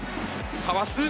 かわす！